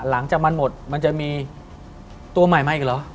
หลังจากมันหมดมันจะมีตัวใหม่มาอีกเหรอ